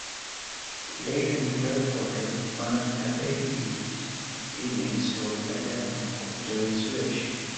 Late in the third quarter, one of Cappelletti's teammates told Paterno of Joey's wish.